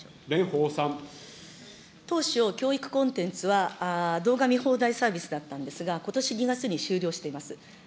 当初、教育コンテンツは動画見放題サービスだったんですが、ことし２月に終了しています。